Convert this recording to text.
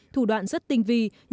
thủ đoạn rất tinh vi